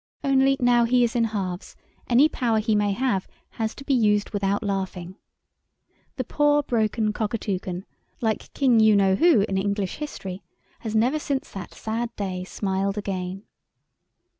Only now he is in halves, any power he may have has to be used without laughing. The poor, broken Cockatoucan, like King you know who in English history, has never since that sad day smiled again.